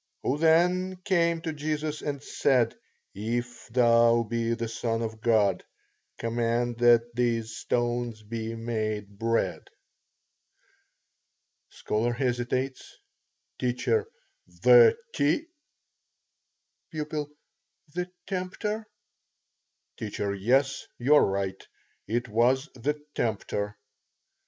Who then came to Jesus and said, If thou be the Son of God, command that these stones be made bread? (Scholar hesitates.) T. The t ? P. The tempter. T. Yes, you are right. It was the tempter.